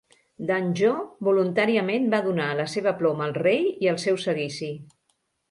Dangeau voluntàriament va donar la seva ploma al rei i el seu seguici..